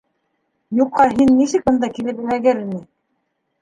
—Юҡһа һин нисек бында килеп эләгер инең?